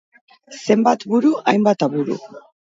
Zenbat buru, hainbat aburu.